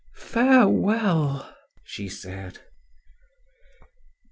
"Farewell!" she said.